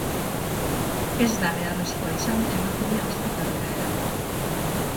Ez da beharrezkoa izan emakumea ospitalera eramatea.